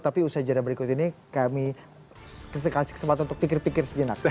tapi usai jadwal berikut ini kami kasih kesempatan untuk pikir pikir sejenak